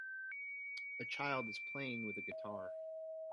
A child is playing with a guitar